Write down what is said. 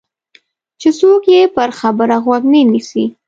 چې څوک یې پر خبره غوږ نه نیسي.